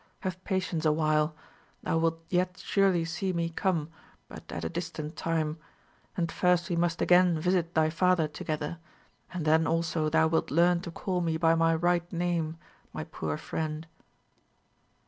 Have patience awhile; thou wilt yet surely see me come, but at a distant time; and first we must again visit thy father together, and then also thou wilt learn to call me by my right name, my poor friend."